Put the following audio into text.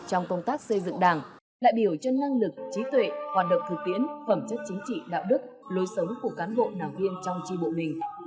trong công tác xây dựng đảng đại biểu cho năng lực trí tuệ hoạt động thực tiễn phẩm chất chính trị đạo đức lối sống của cán bộ đảng viên trong tri bộ mình